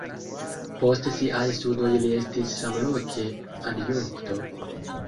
Post siaj studoj li estis samloke adjunkto.